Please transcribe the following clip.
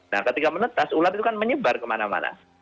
nah ketika menetas ular itu kan menyebar kemana mana